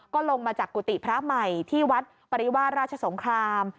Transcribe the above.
ก็ลงมาจากกุฏิพระใหม่ที่วัดปริวาสราชสงคราม